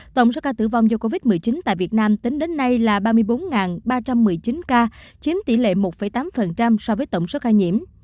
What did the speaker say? tổng số ca tử vong do covid một mươi chín tại việt nam tính đến nay là ba mươi bốn ba trăm một mươi chín ca chiếm tỷ lệ một tám so với tổng số ca nhiễm